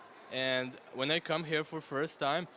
dan ketika saya datang ke sini pertama kali